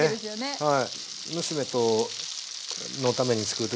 はい。